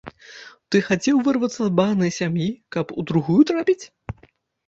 Ты хацеў вырвацца з багны сям'і, каб у другую трапіць?